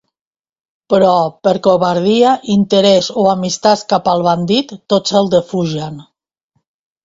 Però, per covardia, interès o amistat cap al bandit, tots el defugen.